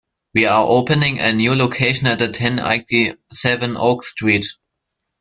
We are opening the a new location at ten eighty-seven Oak Street.